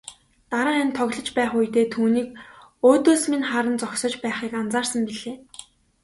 Дараа нь тоглож байх үедээ түүнийг өөдөөс минь харан зогсож байхыг анзаарсан билээ.